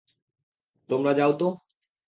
তোমরা যাও তো!